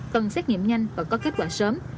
cần xét nghiệm nhanh và có kết quả sớm